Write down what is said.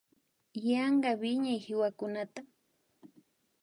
Yanka wiñay kiwakunata